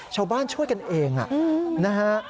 ชาวบ้านช่วยกันเองนะฮะ